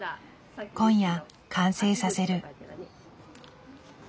今夜完成させる。